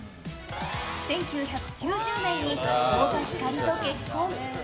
１９９０年に太田光と結婚。